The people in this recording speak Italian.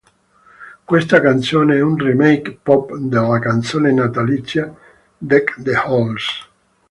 Questa canzone è un remake pop della canzone natalizia "Deck the Halls".